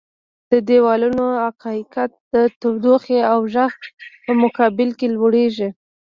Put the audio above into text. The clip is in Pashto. د دیوالونو عایقیت د تودوخې او غږ په مقابل کې لوړیږي.